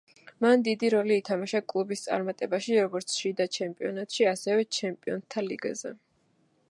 მან დიდი როლი ითამაშა კლუბის წარმატებებში როგორც შიდა ჩემპიონატში, ასევე ჩემპიონთა ლიგაზე.